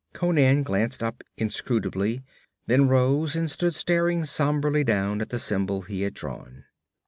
Conan glanced up inscrutably, then rose and stood staring somberly down at the symbol he had drawn.